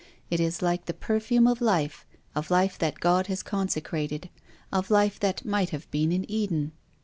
It is like the perfume of life, of life that God has consecrated, of life that might have been in Eden.